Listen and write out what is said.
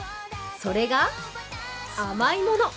それが甘いもの。